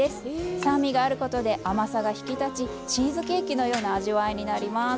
酸味があることで甘さが引き立ちチーズケーキのような味わいになります。